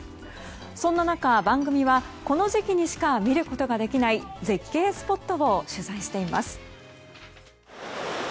そんな中、番組はこの時期にしか見ることができない絶景スポットを取材しています。